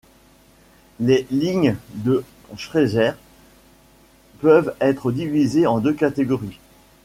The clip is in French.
Les lignes de Schreger peuvent être divisées en deux catégories.